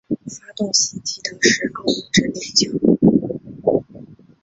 发动袭击的是奥姆真理教。